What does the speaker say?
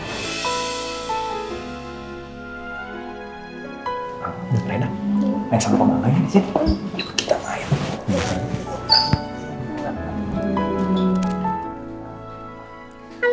main sama pemanggannya disini